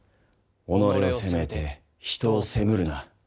己を責めて人を責むるな。